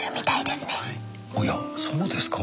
おやそうですか？